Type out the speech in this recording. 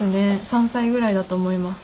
３歳ぐらいだと思います。